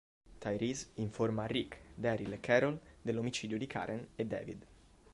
Tyreese informa Rick, Daryl e Carol dell'omicidio di Karen e David.